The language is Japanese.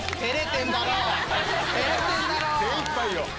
精いっぱいよ。